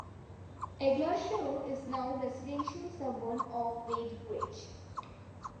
Egloshayle is now a residential suburb of Wadebridge.